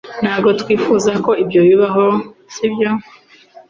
Ntabwo twifuza ko ibyo bibaho, sibyo?